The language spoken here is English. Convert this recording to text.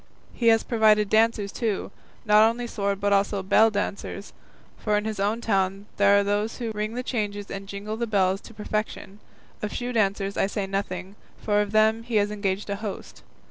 He has provided dancers too, not only sword but also bell dancers, for in his own town there are those who ring the changes and jingle the bells to perfection; of shoe dancers I say nothing, for of them he has engaged a host.